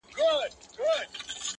وَمَا أُوتِيَ مُوسَىٰ وَعِيسَىٰ.